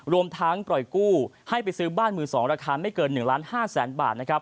รวมทั้งปล่อยกู้ให้ไปซื้อบ้าน๑๒ราคาไม่เกิน๑๕๐๐๐๐๐บาท